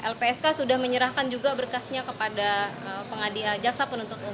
lpsk sudah menyerahkan juga berkasnya kepada jaksa penuntut umum